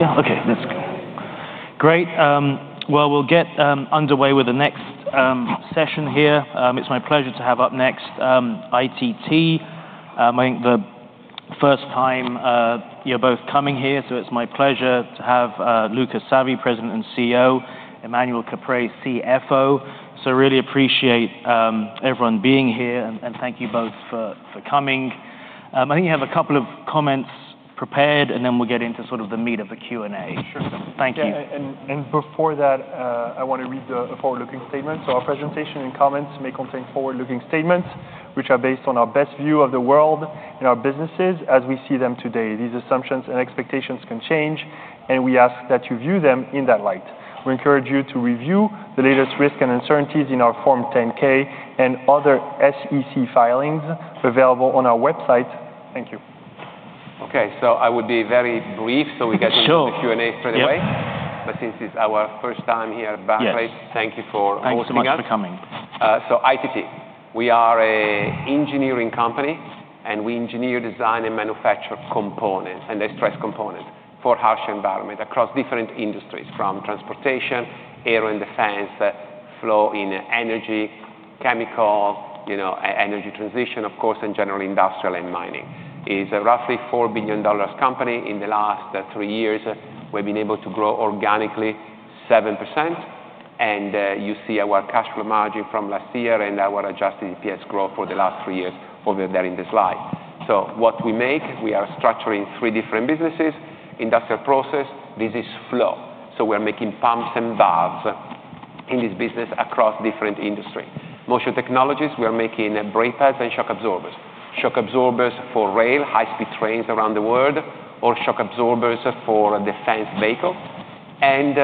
Yeah, okay, let's go. Great, well, we'll get underway with the next session here. It's my pleasure to have up next ITT. I think the first time you're both coming here, so it's my pleasure to have Luca Savi, President and CEO, Emmanuel Caprais, CFO. So really appreciate everyone being here, and thank you both for coming. I think you have a couple of comments prepared, and then we'll get into sort of the meat of the Q&A. Sure. Thank you. Before that, I want to read the forward-looking statement. So our presentation and comments may contain forward-looking statements, which are based on our best view of the world and our businesses as we see them today. These assumptions and expectations can change, and we ask that you view them in that light. We encourage you to review the latest risk and uncertainties in our Form 10-K and other SEC filings available on our website. Thank you. Okay, so I would be very brief, so we get- Sure... into the Q&A straight away. Yep. Since it's our first time here at Barclays- Yes Thank you for hosting us. Thanks so much for coming. So ITT, we are an engineering company, and we engineer, design, and manufacture components and highly engineered critical components for harsh environments across different industries, from transportation, air and defense, flow in energy, chemical, you know, energy transition, of course, and general industrial and mining. It's a roughly $4 billion company. In the last three years, we've been able to grow organically 7%, and you see our cash flow margin from last year and our adjusted EPS growth for the last three years over there in the slide. So what we make, we are structured in three different businesses. Industrial Process, this is flow. So we're making pumps and valves in this business across different industries. Motion Technologies, we are making brake pads and shock absorbers. Shock absorbers for rail, high-speed trains around the world, or shock absorbers for defense vehicles and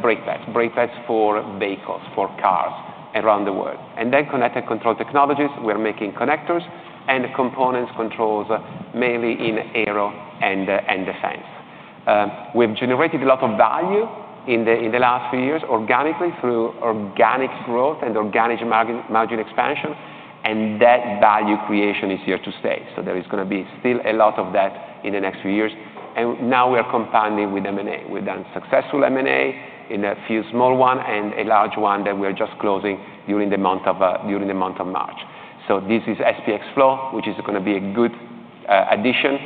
brake pads. Brake pads for vehicles, for cars around the world. And then Connect & Control Technologies, we are making connectors and control components, mainly in Aero & Defense. We've generated a lot of value in the last few years, organically through organic growth and organic margin expansion, and that value creation is here to stay. So there is gonna be still a lot of that in the next few years. And now we are compounding with M&A. We've done successful M&A in a few small one and a large one that we are just closing during the month of March. So this is SPX FLOW, which is gonna be a good addition.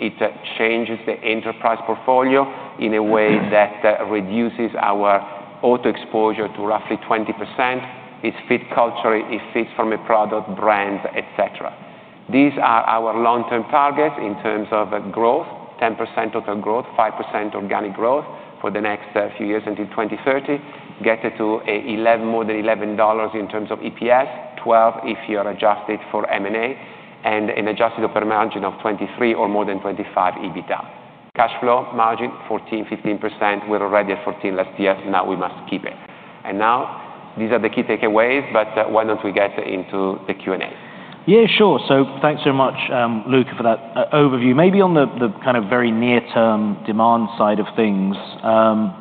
It changes the enterprise portfolio in a way that reduces our auto exposure to roughly 20%. It fits culturally, it fits from a product, brand, et cetera. These are our long-term targets in terms of growth: 10% total growth, 5% organic growth for the next few years until 2030, get it to a 11-- more than $11 in terms of EPS, 12 if you are adjusted for M&A, and an adjusted operating margin of 23 or more than 25 EBITDA. Cash flow margin, 14%, 15%. We're already at 14 last year, now we must keep it. Now, these are the key takeaways, but why don't we get into the Q&A? Yeah, sure. So thanks so much, Luca, for that overview. Maybe on the kind of very near-term demand side of things,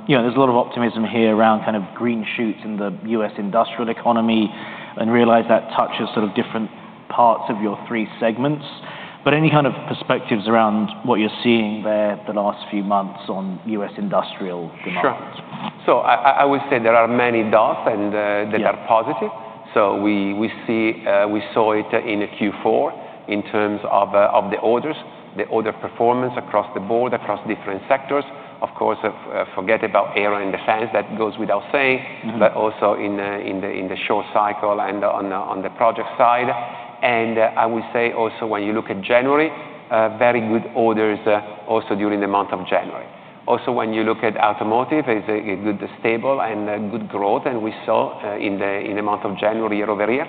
you know, there's a lot of optimism here around kind of green shoots in the U.S. industrial economy, and realize that touches sort of different parts of your three segments. But any kind of perspectives around what you're seeing there the last few months on U.S. industrial demands? Sure. So I would say there are many dots, and Yeah... that are positive. So we, we see, we saw it in Q4 in terms of, of the orders, the order performance across the board, across different sectors. Of course, forget about air and defense, that goes without saying- Mm-hmm... but also in the short cycle and on the project side. And I would say also, when you look at January, very good orders, also during the month of January. Also, when you look at automotive, it's a good stable and a good growth, and we saw, in the month of January, year over year.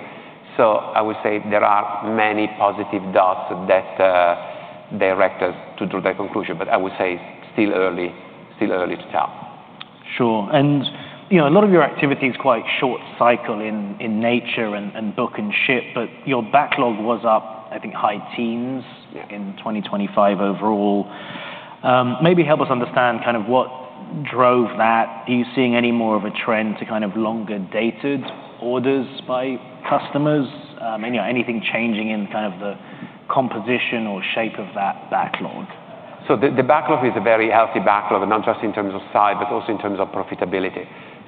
So I would say there are many positive dots that direct us to draw that conclusion, but I would say still early, still early to tell. Sure. And, you know, a lot of your activity is quite short cycle in nature and book and ship, but your backlog was up, I think, high teens- Yeah... in 2025 overall. Maybe help us understand kind of what drove that. Are you seeing any more of a trend to kind of longer-dated orders by customers? And, you know, anything changing in kind of the composition or shape of that backlog? So the backlog is a very healthy backlog, not just in terms of size, but also in terms of profitability.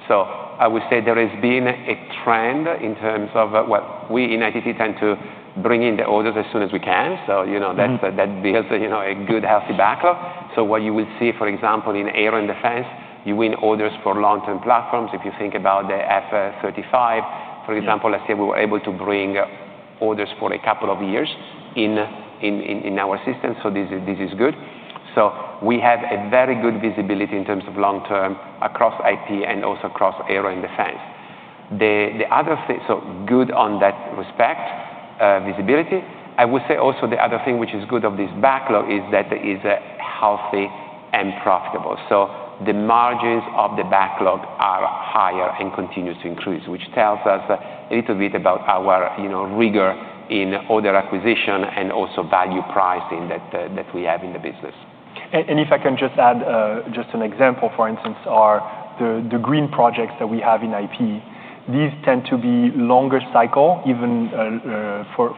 So I would say there has been a trend in terms of... Well, we in ITT tend to bring in the orders as soon as we can. So, you know- Mm-hmm... that's that builds, you know, a good, healthy backlog. So what you would see, for example, in air and defense, you win orders for long-term platforms. If you think about the F-35, for example- Yeah... let's say we were able to bring orders for a couple of years in our system, so this is good. So we have a very good visibility in terms of long term across ITT and also across Aero & Defense. The other thing. So good on that respect, visibility. I would say also the other thing which is good of this backlog is that it's healthy and profitable. So the margins of the backlog are higher and continues to increase, which tells us a little bit about our, you know, rigor in order acquisition and also value pricing that we have in the business. And if I can just add, just an example, for instance, the green projects that we have in IP. These tend to be longer cycle, even for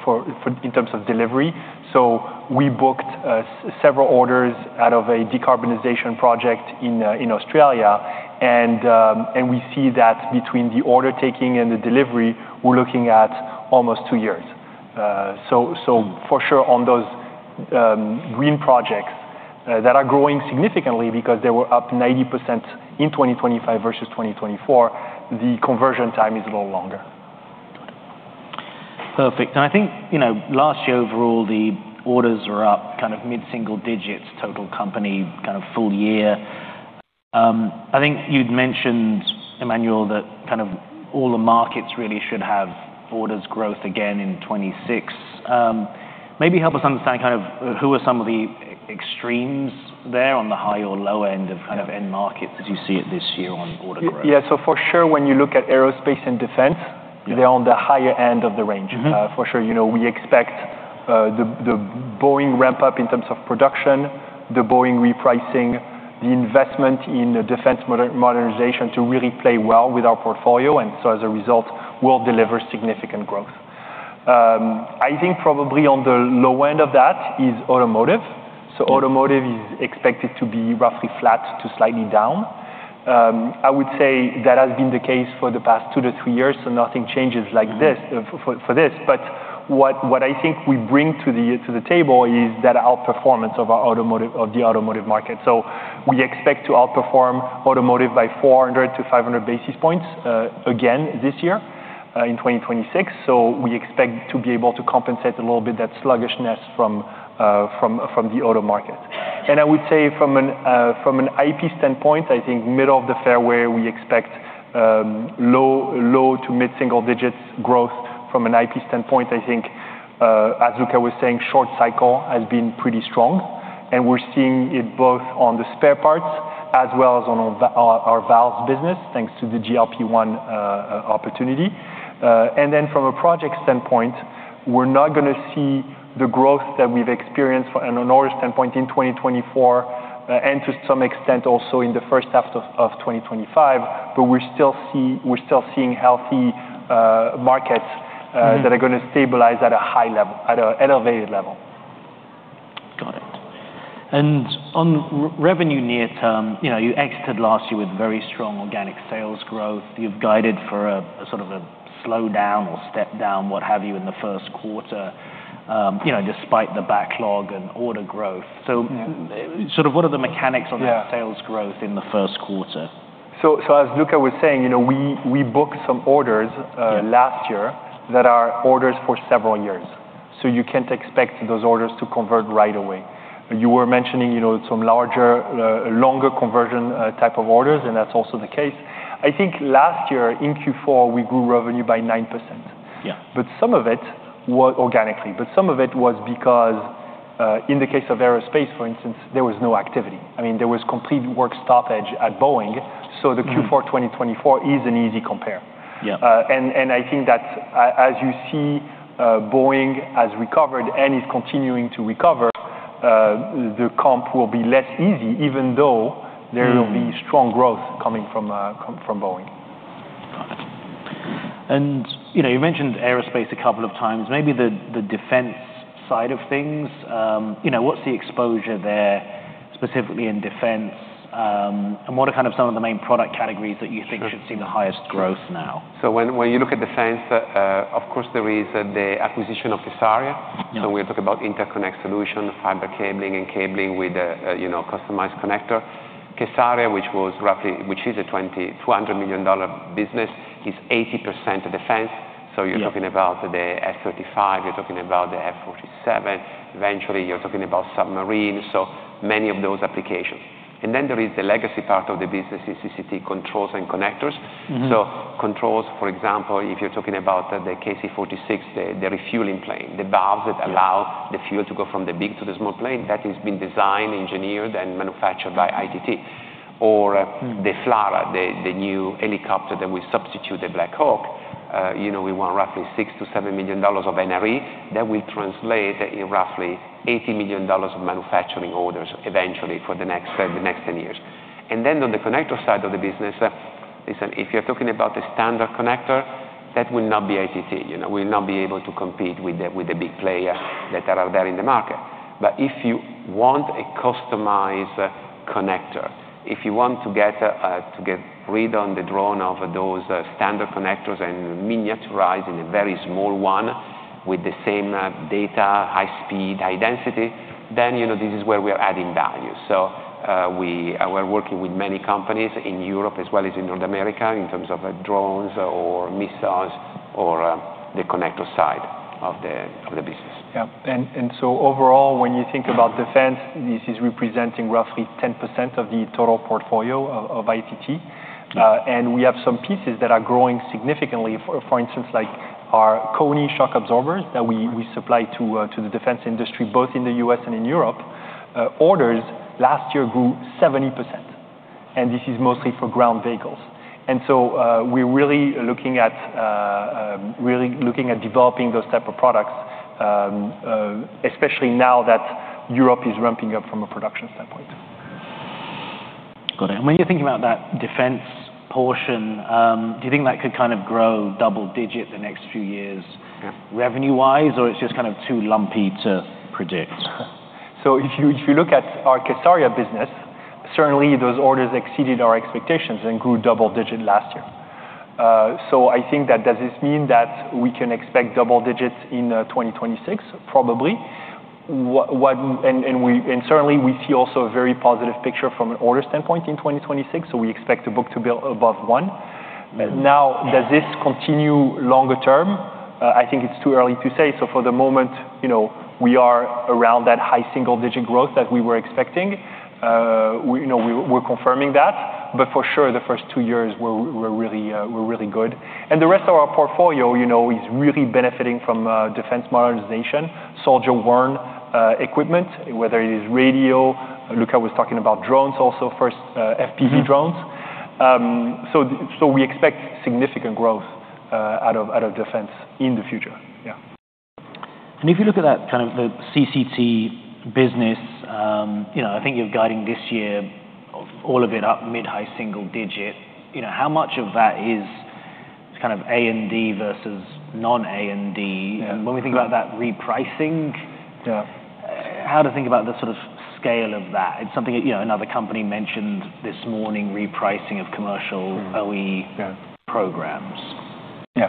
in terms of delivery. So we booked several orders out of a decarbonization project in Australia, and we see that between the order taking and the delivery, we're looking at almost two years. So for sure, on those green projects that are growing significantly because they were up 90% in 2025 versus 2024, the conversion time is a little longer. Perfect. And I think, you know, last year, overall, the orders were up kind of mid-single digits, total company, kind of full year. I think you'd mentioned, Emmanuel, that kind of all the markets really should have orders growth again in 2026. Maybe help us understand kind of who are some of the extremes there on the high or low end of kind of end markets as you see it this year on order growth? Yeah, so for sure, when you look at Aerospace & Defense- Mm-hmm. They're on the higher end of the range. Mm-hmm. For sure, you know, we expect the Boeing ramp up in terms of production, the Boeing repricing, the investment in the defense modernization to really play well with our portfolio, and so as a result, we'll deliver significant growth. I think probably on the low end of that is automotive. Yeah. So automotive is expected to be roughly flat to slightly down. I would say that has been the case for the past 2-3 years, so nothing changes like this- Mm-hmm For this. But what I think we bring to the table is that outperformance of our automotive of the automotive market. So we expect to outperform automotive by 400-500 basis points, again this year, in 2026. So we expect to be able to compensate a little bit that sluggishness from the auto market. And I would say from an IP standpoint, I think middle of the fairway, we expect low- to mid-single digits growth from an IP standpoint. I think, as Luca was saying, short cycle has been pretty strong, and we're seeing it both on the spare parts as well as on our valves business, thanks to the GLP-1 opportunity. And then from a project standpoint, we're not gonna see the growth that we've experienced from an orders standpoint in 2024, and to some extent, also in the first half of 2025, but we're still seeing healthy markets. Mm-hmm... that are gonna stabilize at a high level, at a elevated level. Got it. And on revenue near term, you know, you exited last year with very strong organic sales growth. You've guided for a sort of a slowdown or step down, what have you, in the first quarter, you know, despite the backlog and order growth. Yeah. So, sort of, what are the mechanics of- Yeah that sales growth in the first quarter? So as Luca was saying, you know, we booked some orders- Yeah Last year that are orders for several years, so you can't expect those orders to convert right away. You were mentioning, you know, some larger, longer conversion type of orders, and that's also the case. I think last year, in Q4, we grew revenue by 9%. Yeah. But some of it was organically, but some of it was because, in the case of Aerospace, for instance, there was no activity. I mean, there was complete work stoppage at Boeing- Mm-hmm. So the Q4 2024 is an easy compare. Yeah. And I think that as you see, Boeing has recovered and is continuing to recover. The comp will be less easy, even though- Mm There will be strong growth coming from Boeing. Got it. And, you know, you mentioned Aerospace a couple of times. Maybe the defense side of things, you know, what's the exposure there, specifically in defense? And what are kind of some of the main product categories that you think- Sure Should see the highest growth now? So when you look at defense, of course, there is the acquisition of kSARIA. Yeah. We talk about interconnect solution, fiber cabling and cabling with, you know, customized connector. kSARIA, which was roughly... which is a $2,200 million business, is 80% defense. Yeah. So you're talking about the F-35, you're talking about the F-47. Eventually, you're talking about submarines, so many of those applications. And then there is the legacy part of the business, CCT, Connect & Control Technologies. Mm-hmm. So controls, for example, if you're talking about the KC-46, the refueling plane, the valves- Yeah -that allow the fuel to go from the big to the small plane, that has been designed, engineered, and manufactured by ITT. Or, Mm the FLRAA, the new helicopter that will substitute the Black Hawk, you know, we want roughly $6 million-$7 million of NRE. That will translate in roughly $80 million of manufacturing orders eventually for the next 10, the next 10 years. And then on the connector side of the business, listen, if you're talking about the standard connector, that will not be ITT. You know, we'll not be able to compete with the, with the big player that are out there in the market. But if you want a customized connector, if you want to get, to get rid on the drawing of those, standard connectors and miniaturize in a very small one with the same, data, high speed, high density, then, you know, this is where we are adding value. We're working with many companies in Europe as well as in North America, in terms of drones or missiles, or the connector side of the business. Yeah. And so overall, when you think about defense, this is representing roughly 10% of the total portfolio of ITT. Yeah. And we have some pieces that are growing significantly. For instance, like our KONI shock absorbers that we supply to the defense industry, both in the U.S. and in Europe, orders last year grew 70%... and this is mostly for ground vehicles. And so, we're really looking at developing those type of products, especially now that Europe is ramping up from a production standpoint. Got it. And when you're thinking about that defense portion, do you think that could kind of grow double-digit the next few years? Yeah... revenue-wise, or it's just kind of too lumpy to predict? So if you look at our kSARIA business, certainly those orders exceeded our expectations and grew double-digit last year. So I think, does this mean that we can expect double digits in 2026? Probably. And we certainly see also a very positive picture from an order standpoint in 2026, so we expect the book to be above one. Mm-hmm. Now, does this continue longer term? I think it's too early to say. So for the moment, you know, we are around that high single-digit growth that we were expecting. You know, we're confirming that, but for sure, the first two years were really good. And the rest of our portfolio, you know, is really benefiting from defense modernization, soldier-worn equipment, whether it is radio. Luca was talking about drones also, first FPV drones. Mm-hmm. So, we expect significant growth out of defense in the future. Yeah. If you look at that kind of the CCT business, you know, I think you're guiding this year, of all of it, up mid-high single digit. You know, how much of that is kind of A&D versus non-A&D? Yeah. And when we think about that repricing- Yeah... how to think about the sort of scale of that? It's something that, you know, another company mentioned this morning, repricing of commercial- Mm-hmm... OE- Yeah - programs. Yeah.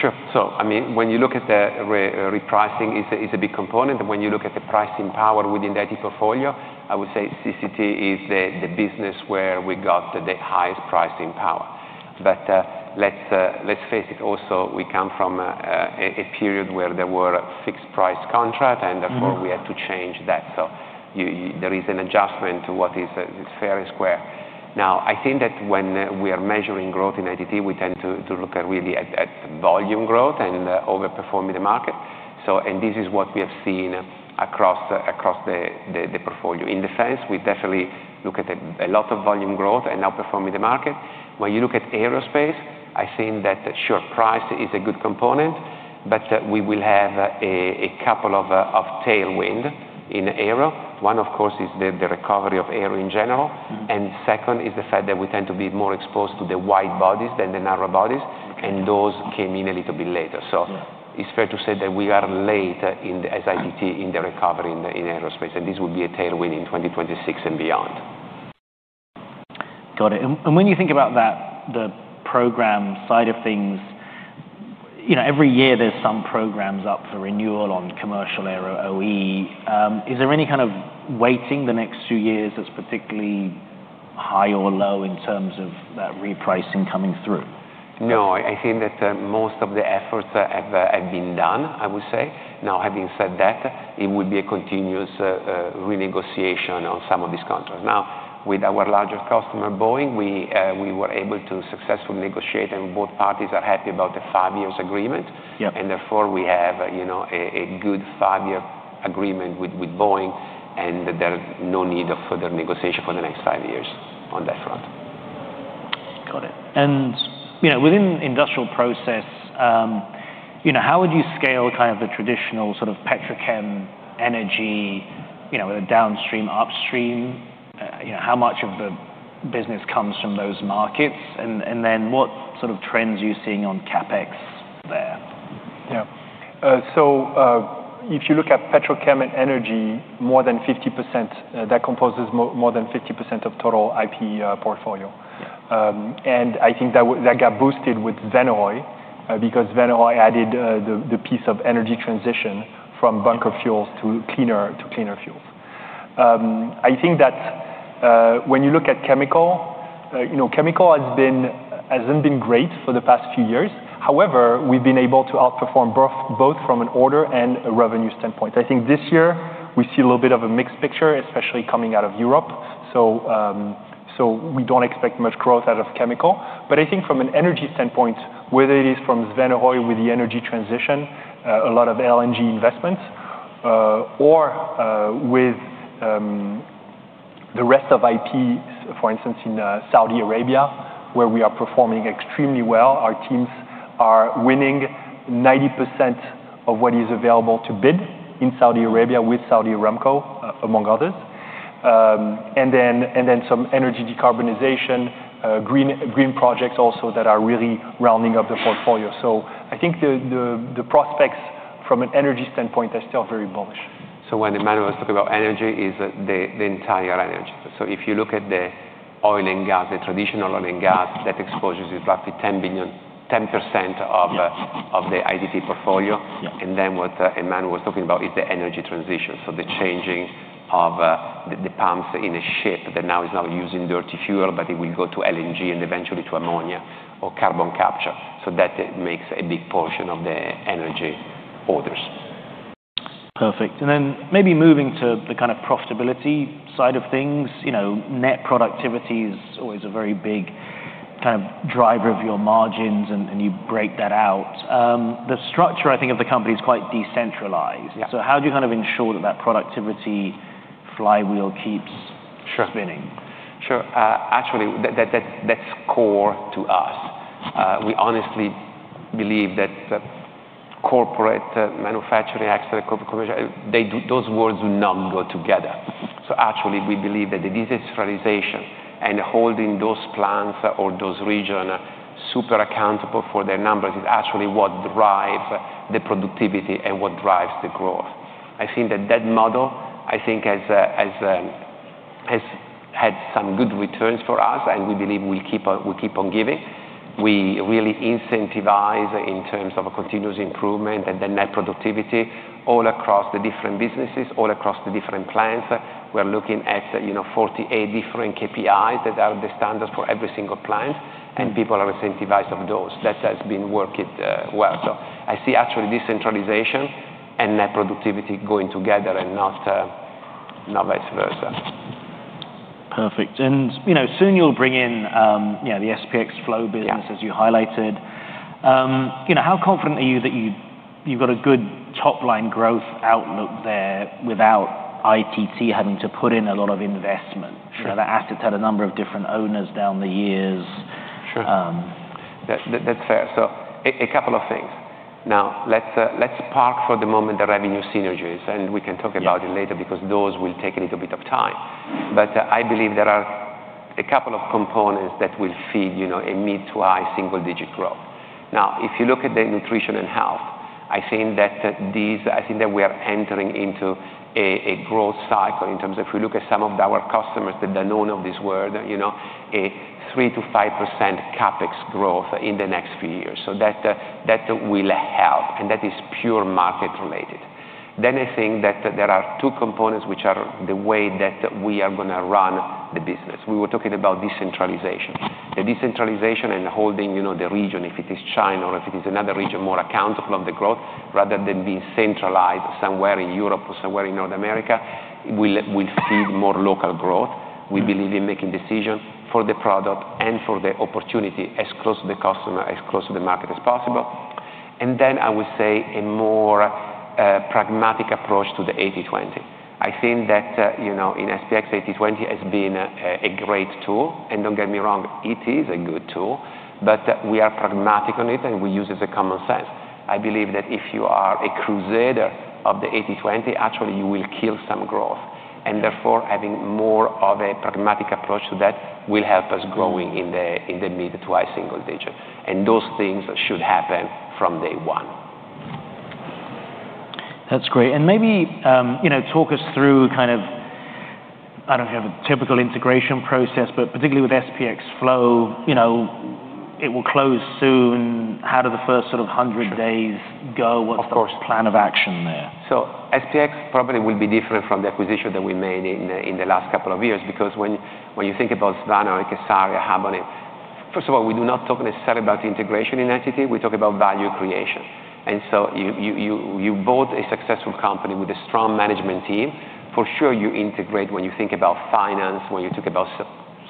Sure. So I mean, when you look at the repricing, it's a big component, and when you look at the pricing power within that e-portfolio, I would say CCT is the business where we got the highest pricing power. But, let's, let's face it also, we come from a period where there were a fixed price contract- Mm-hmm And therefore, we had to change that. So there is an adjustment to what is fair and square. Now, I think that when we are measuring growth in ITT, we tend to look at really volume growth and overperforming the market. So, this is what we have seen across the portfolio. In the sense, we definitely look at a lot of volume growth and outperforming the market. When you look at Aerospace, I think that, sure, price is a good component, but we will have a couple of tailwind in Aero. One, of course, is the recovery of Aero in general. Mm-hmm. Second, is the fact that we tend to be more exposed to the wide bodies than the narrow bodies, and those came in a little bit later. Yeah. So it's fair to say that we are late in the, as ITT, in the recovery in Aerospace, and this will be a tailwind in 2026 and beyond. Got it. And when you think about that, the program side of things, you know, every year there's some programs up for renewal on commercial aero OE. Is there any kind of weighting the next two years that's particularly high or low in terms of that repricing coming through? No, I think that most of the efforts have been done, I would say. Now, having said that, it would be a continuous renegotiation on some of these contracts. Now, with our larger customer, Boeing, we were able to successfully negotiate, and both parties are happy about the five-year agreement. Yep. Therefore, we have, you know, a good five-year agreement with Boeing, and there are no need of further negotiation for the next five years on that front. Got it. And, you know, within Industrial Process, you know, how would you scale kind of the traditional sort of petrochem energy, you know, downstream, upstream? You know, how much of the business comes from those markets? And then what sort of trends are you seeing on CapEx there? Yeah. So, if you look at petrochem and energy, more than 50% that composes more than 50% of total IP portfolio. Yeah. And I think that that got boosted with Svanehøj, because Svanehøj added the piece of energy transition from bunker fuels to cleaner fuels. I think that when you look at chemical, you know, chemical hasn't been great for the past few years. However, we've been able to outperform both from an order and a revenue standpoint. I think this year we see a little bit of a mixed picture, especially coming out of Europe, so we don't expect much growth out of chemical. But I think from an energy standpoint, whether it is from Svanehøj with the energy transition, a lot of LNG investments, or with the rest of IP, for instance, in Saudi Arabia, where we are performing extremely well. Our teams are winning 90% of what is available to bid in Saudi Arabia, with Saudi Aramco, among others. And then some energy decarbonization, green projects also that are really rounding up the portfolio. So I think the prospects from an energy standpoint are still very bullish. So when Emmanuel was talking about energy, is the entire energy. So if you look at the oil and gas, the traditional oil and gas, that exposure is roughly $10 billion, 10% of- Yeah... of the IP portfolio. Yeah. What Emmanuel was talking about is the energy transition, so the changing of the pumps in a ship that now is not using dirty fuel, but it will go to LNG and eventually to ammonia or carbon capture. So that makes a big portion of the energy orders. Perfect. Then maybe moving to the kind of profitability side of things, you know, net productivity is always a very big kind of driver of your margins, and you break that out. The structure, I think, of the company is quite decentralized. Yeah. How do you kind of ensure that that productivity flywheel keeps- Sure -spinning? Sure. Actually, that's core to us. We honestly believe that corporate manufacturing, actual corporate conversion, they do not go together. So actually, we believe that the decentralization and holding those plants or those region super accountable for their numbers is actually what drives the productivity and what drives the growth. I think that model, I think, has had some good returns for us, and we believe we keep on giving. We really incentivize in terms of a continuous improvement and the net productivity all across the different businesses, all across the different plants. We're looking at, you know, 48 different KPIs that are the standard for every single plant, and people are incentivized on those. That has been working well. I see actually decentralization and net productivity going together and not, not vice versa. Perfect. And, you know, soon you'll bring in, you know, the SPX FLOW business- Yeah As you highlighted. You know, how confident are you that you, you've got a good top-line growth outlook there without ITT having to put in a lot of investment? Sure. You know, that asset had a number of different owners down the years. Sure. That's fair. So, a couple of things. Now, let's park for the moment the revenue synergies, and we can talk about it later- Yeah -because those will take a little bit of time. But I believe there are a couple of components that will feed, you know, a mid- to high single-digit growth. Now, if you look at the nutrition and health, I think that these, I think that we are entering into a growth cycle in terms of if we look at some of our customers, the Danone of this world, you know, a 3%-5% CapEx growth in the next few years. So that will help, and that is pure market-related. Then I think that there are two components, which are the way that we are gonna run the business. We were talking about decentralization. The decentralization and holding, you know, the region, if it is China or if it is another region, more accountable of the growth, rather than being centralized somewhere in Europe or somewhere in North America, we feed more local growth. We believe in making decisions for the product and for the opportunity as close to the customer, as close to the market as possible. And then I would say a more pragmatic approach to the 80/20. I think that, you know, in SPX, 80/20 has been a great tool, and don't get me wrong, it is a good tool, but we are pragmatic on it, and we use it as common sense. I believe that if you are a crusader of the 80/20, actually, you will kill some growth, and therefore, having more of a pragmatic approach to that will help us growing in the mid- to high-single-digit. And those things should happen from day one. That's great. And maybe, you know, talk us through kind of, I don't have a typical integration process, but particularly with SPX FLOW, you know, it will close soon. How do the first sort of 100 days go? Of course. What's the plan of action there? So SPX probably will be different from the acquisition that we made in the last couple of years because when you think about Svanehøj, kSARIA, Habonim, first of all, we do not talk necessarily about integration in ITT, we talk about value creation. And so you bought a successful company with a strong management team. For sure, you integrate when you think about finance, when you think about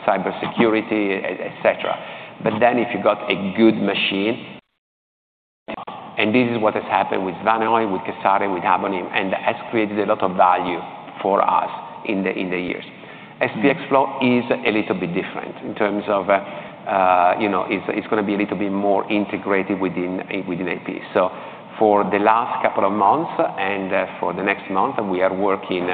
cybersecurity, et cetera. But then if you got a good machine, and this is what has happened with Svanehøj, with kSARIA, with Habonim, and has created a lot of value for us in the years. SPX FLOW is a little bit different in terms of, you know, it's gonna be a little bit more integrated within AP. So for the last couple of months and for the next month, we are working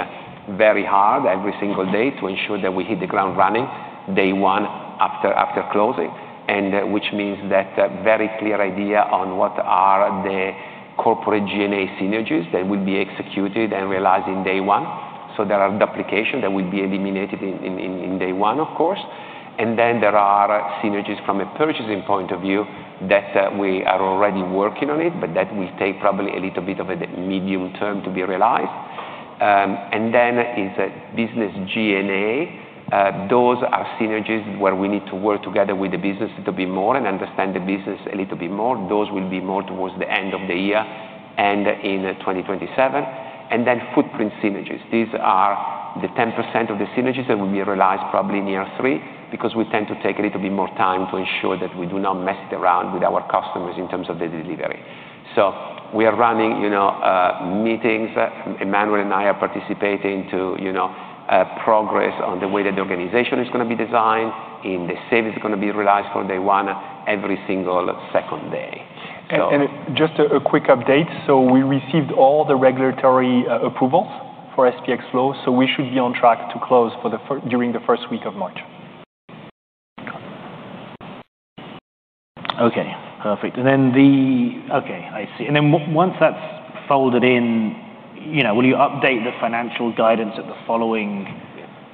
very hard every single day to ensure that we hit the ground running day one after closing, and which means that a very clear idea on what are the corporate G&A synergies that will be executed and realized in day one. So there are duplication that will be eliminated in day one, of course. And then there are synergies from a purchasing point of view that we are already working on it, but that will take probably a little bit of a medium-term to be realized. And then is a business G&A. Those are synergies where we need to work together with the business a little bit more and understand the business a little bit more. Those will be more towards the end of the year and in 2027. Then footprint synergies. These are the 10% of the synergies that will be realized probably in year three, because we tend to take a little bit more time to ensure that we do not mess it around with our customers in terms of the delivery. So we are running, you know, meetings. Emmanuel and I are participating to, you know, progress on the way that the organization is gonna be designed, in the savings is gonna be realized from day one, every single second day. So- Just a quick update. So we received all the regulatory approvals for SPX FLOW, so we should be on track to close during the first week of March. Okay, perfect. And then... Okay, I see. And then once that's folded in, you know, will you update the financial guidance at the following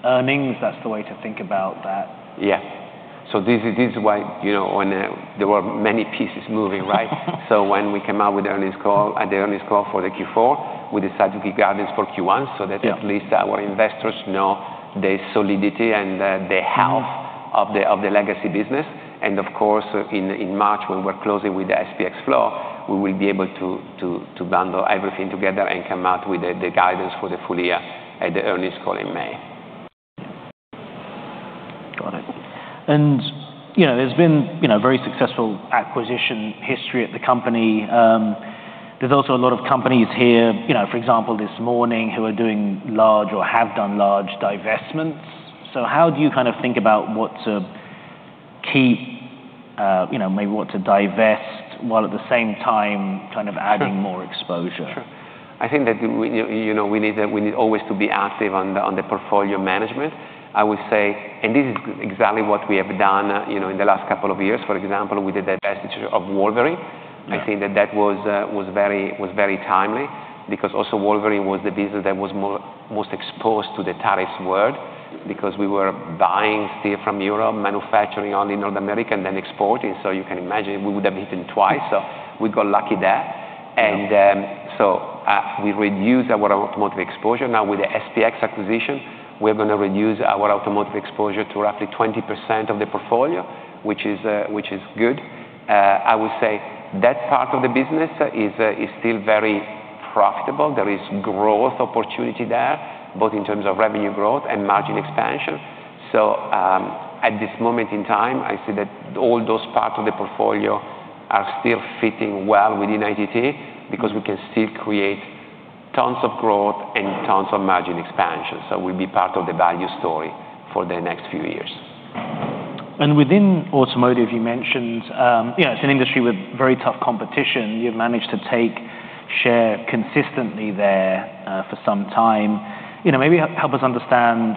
earnings? That's the way to think about that. Yeah. So this is, this is why, you know, when, there were many pieces moving, right? So when we came out with the earnings call, at the earnings call for the Q4, we decided to give guidance for Q1- Yeah so that at least our investors know the solidity and the health of the legacy business. And of course, in March, when we're closing with the SPX FLOW, we will be able to bundle everything together and come out with the guidance for the full year at the earnings call in May. Got it. And, you know, there's been, you know, very successful acquisition history at the company. There's also a lot of companies here, you know, for example, this morning, who are doing large or have done large divestments. So how do you kind of think about what to keep, you know, maybe what to divest, while at the same time kind of adding- Sure. -more exposure? Sure. I think that we need always to be active on the portfolio management. I would say, and this is exactly what we have done, you know, in the last couple of years. For example, we did the divestiture of Wolverine. Yeah. I think that was very timely because also Wolverine was the business that was most exposed to the tariffs world, because we were buying steel from Europe, manufacturing only North America, and then exporting. So you can imagine we would have been twice, so we got lucky there. Yeah. We reduced our automotive exposure. Now, with the SPX acquisition, we're gonna reduce our automotive exposure to roughly 20% of the portfolio, which is good. I would say that part of the business is still very profitable. There is growth opportunity there, both in terms of revenue growth and margin expansion. So, at this moment in time, I see that all those parts of the portfolio are still fitting well within ITT, because we can still create tons of growth and tons of margin expansion. So we'll be part of the value story for the next few years. Within automotive, you mentioned, you know, it's an industry with very tough competition. You've managed to take share consistently there, for some time. You know, maybe help us understand,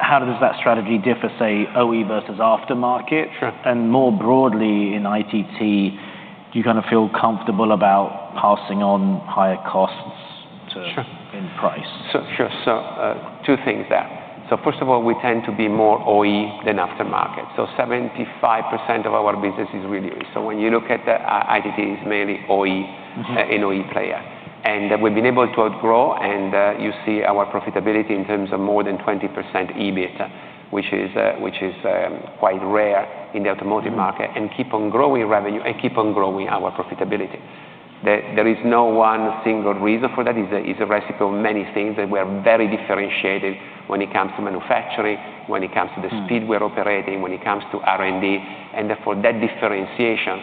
how does that strategy differ, say, OE versus aftermarket? Sure. More broadly, in ITT, do you kind of feel comfortable about passing on higher costs to? Sure -in price? Sure. So, two things there. So first of all, we tend to be more OE than aftermarket, so 75% of our business is really. So when you look at the ITT, it's mainly OE- Mm-hmm -an OE player. And we've been able to outgrow, and, you see our profitability in terms of more than 20% EBIT, which is, which is, quite rare in the automotive market- Mm-hmm and keep on growing revenue and keep on growing our profitability. There, there is no one single reason for that. It's a, it's a recipe of many things, that we are very differentiated when it comes to manufacturing, when it comes to the- Mm-hmm Speed we're operating, when it comes to R&D, and therefore, that differentiation,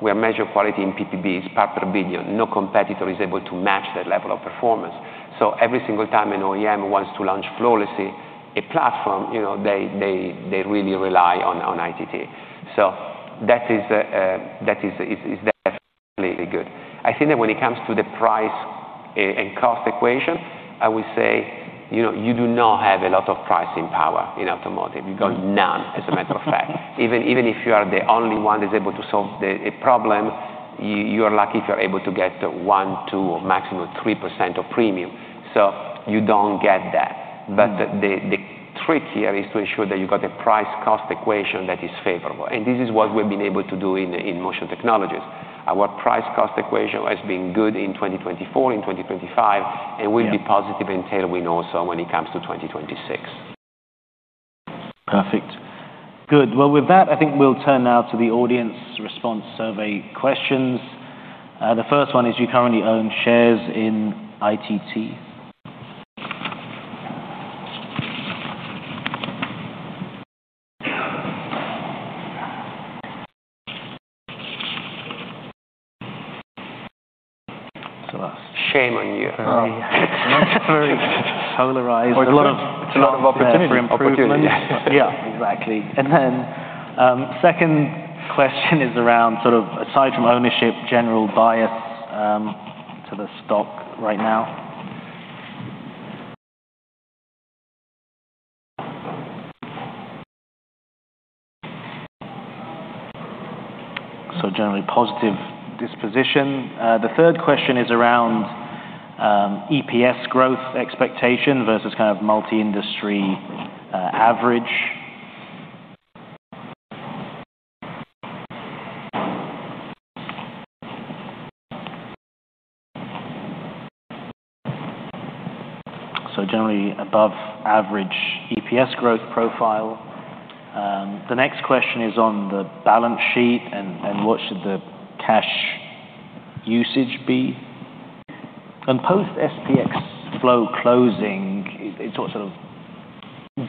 quality. We measure quality in PPBs, parts per billion. No competitor is able to match that level of performance. So every single time an OEM wants to launch flawlessly a platform, you know, they really rely on ITT. So that is definitely good. I think that when it comes to the price and cost equation, I would say, you know, you do not have a lot of pricing power in automotive. You got none, as a matter of fact. Even if you are the only one that's able to solve a problem, you are lucky if you're able to get 1%, 2%, or maximum 3% of premium. So you don't get that. Mm. But the trick here is to ensure that you got a price-cost equation that is favorable, and this is what we've been able to do in Motion Technologies. Our price-cost equation has been good in 2024, in 2025- Yeah... and will be positive in tailwind also when it comes to 2026. Perfect. Good. Well, with that, I think we'll turn now to the audience response survey questions. The first one is: Do you currently own shares in ITT? So that's- Shame on you. Very, very polarized. Well, it's a lot of opportunity. Improvement. Opportunity. Yeah, exactly. And then, second question is around sort of, aside from ownership, general bias, to the stock right now. So generally positive disposition. The third question is around, EPS growth expectation versus kind of multi-industry, average. So generally above average EPS growth profile. The next question is on the balance sheet and, and what should the cash usage be? And post SPX FLOW closing, it's what sort of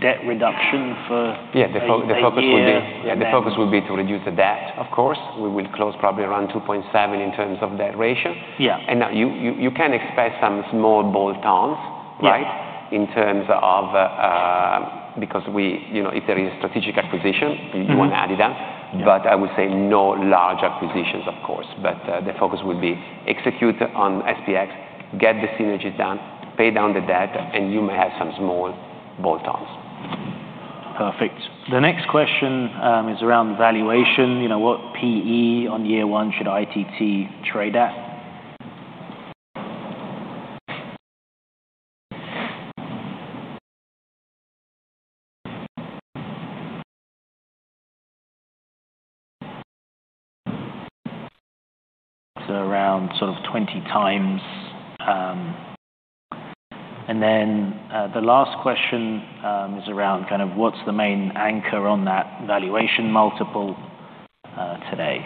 debt reduction for- Yeah, the fo- A year- The focus would be- And then- Yeah, the focus would be to reduce the debt, of course. We will close probably around 2.7 in terms of debt ratio. Yeah. Now, you can expect some small bolt-ons- Yeah... right? In terms of, because we... You know, if there is strategic acquisition- Mm-hmm... we want to add it up. Yeah. I would say no large acquisitions, of course. But, the focus would be execute on SPX, get the synergies done, pay down the debt, and you may have some small bolt-ons. Perfect. The next question is around valuation. You know, what P/E on year one should ITT trade at? So around sort of 20X. And then, the last question is around kind of what's the main anchor on that valuation multiple today?